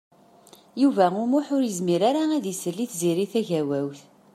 Yuba U Muḥ ur yezmir ara ad isell i Tiziri Tagawawt.